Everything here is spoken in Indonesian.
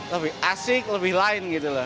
lebih asik lebih lain gitu loh